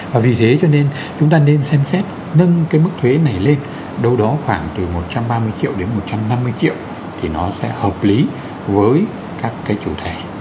và vì thế cho nên chúng ta nên xem xét nâng cái mức thuế này lên đâu đó khoảng từ một trăm ba mươi triệu đến một trăm năm mươi triệu thì nó sẽ hợp lý với các cái chủ thể